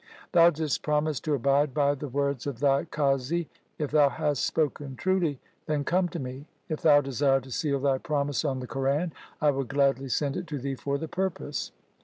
Thou didst promise to abide by the words of thy qazi. If thou hast spoken truly, then come to me. If thou desire to seal thy promise on the Quran, I will gladly send it to thee for the purpose.